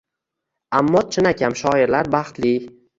Ammo chinakam shoirlar baxtli.